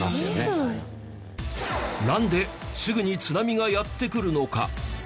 なんですぐに津波がやって来るのか？